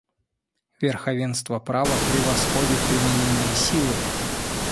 Верховенство права превосходит применение силы.